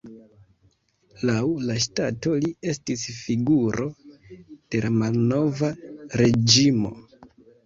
Laŭ la ŝtato li estis figuro de la malnova reĝimo.